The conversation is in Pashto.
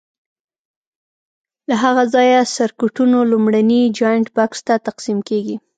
له هغه ځایه سرکټونو لومړني جاینټ بکس ته تقسیم کېږي.